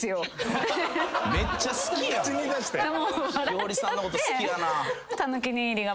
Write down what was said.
めっちゃ好きやん。